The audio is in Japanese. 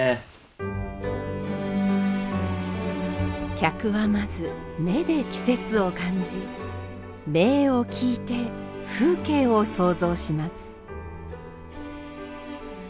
客はまず目で季節を感じ銘を聞いて風景を想像します。